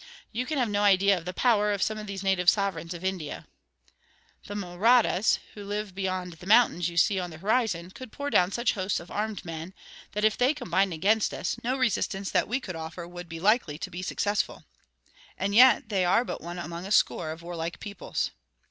You can have no idea of the power of some of these native sovereigns of India. The Mahrattas, who live beyond the mountains you see on the horizon, could pour down such hosts of armed men that, if they combined against us, no resistance that we could offer would be likely to be successful. And yet they are but one among a score of warlike peoples.